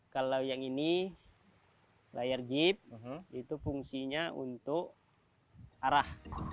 kalau yang ini layar jeep itu fungsinya untuk arah